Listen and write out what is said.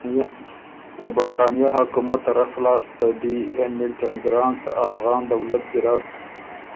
ته برطانیه حکومت طرف لاسته دی هېمِلټن ګرانټ ته افغان دولت ګیرډ